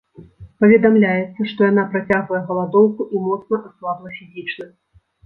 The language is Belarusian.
Паведамляецца, што яна працягвае галадоўку і моцна аслабла фізічна.